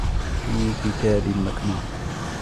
فِي كِتَابٍ مَكْنُونٍ